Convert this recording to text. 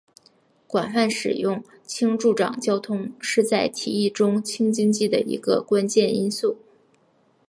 广泛使用氢助长交通是在提议中的氢经济的一个关键因素。